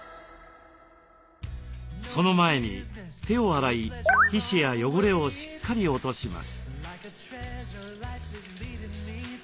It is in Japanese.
その前に手を洗い皮脂や汚れをしっかり落とします。